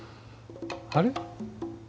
あれ？